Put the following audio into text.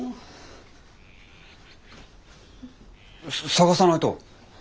捜さないと。